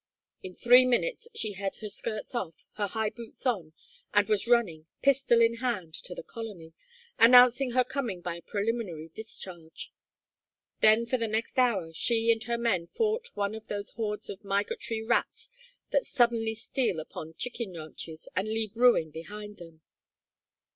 In three minutes she had her skirts off, her high boots on, and was running, pistol in hand, to the colony, announcing her coming by a preliminary discharge. Then for the next hour she and her men fought one of those hordes of migratory rats that suddenly steal upon chicken ranches and leave ruin behind them.